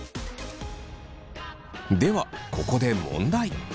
ではここで問題。